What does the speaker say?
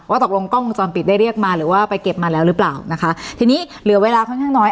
ตกลงกล้องวงจรปิดได้เรียกมาหรือว่าไปเก็บมาแล้วหรือเปล่านะคะทีนี้เหลือเวลาค่อนข้างน้อย